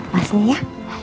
pas ini ya